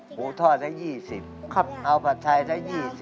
หมูทอดถ้า๒๐เอาผัดไทยถ้า๒๐